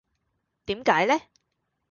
點解呢